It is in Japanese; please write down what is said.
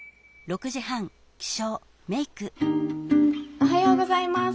おはようございます。